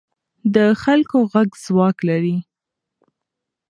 د خلکو غږ ځواک لري